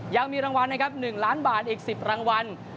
ยังมีรางวัลนะครับ๑ล้านบาทอีก๑๐รางวัล